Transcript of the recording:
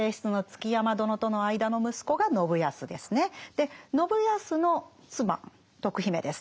で信康の妻徳姫です。